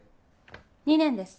２年です